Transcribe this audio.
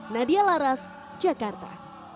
nadia laras jakarta